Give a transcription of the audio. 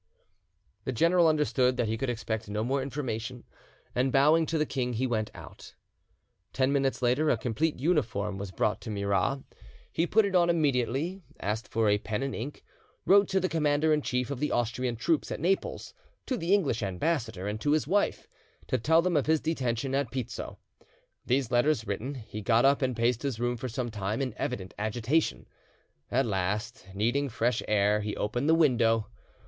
The general understood that he could expect no more information, and, bowing to the king, he went out. Ten minutes later, a complete uniform was brought to Murat; he put it on immediately, asked for a pen and ink, wrote to the commander in chief of the Austrian troops at Naples, to the English ambassador, and to his wife, to tell them of his detention at Pizzo. These letters written, he got up and paced his room for some time in evident agitation; at last, needing fresh air, he opened the window.